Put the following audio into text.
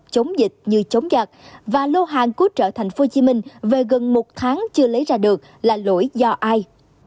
chống dịch như chống giặc và lô hàng cứu trợ tp hcm về gần một tháng chưa lấy ra được là lỗi do ai